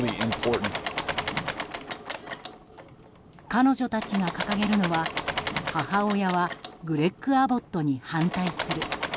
彼女たちが掲げるのは、母親はグレッグ・アボットに反対する。